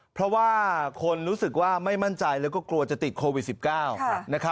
เพราะว่าคนรู้สึกว่าไม่มั่นใจแล้วก็กลัวจะติดโควิด๑๙